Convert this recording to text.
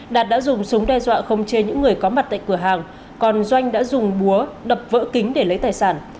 đạt đã dùng súng đe dọa không chê những người có mặt tại cửa hàng còn doanh đã dùng búa đập vỡ kính để lấy tài sản